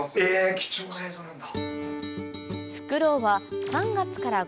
貴重な映像なんだ。